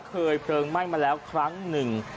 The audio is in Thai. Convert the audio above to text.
เพลิงไหม้มาแล้วครั้งหนึ่ง